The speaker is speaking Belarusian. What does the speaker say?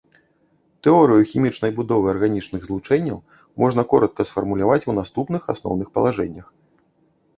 Тэорыю хімічнай будовы арганічных злучэнняў можна коратка сфармуляваць у наступных асноўных палажэннях.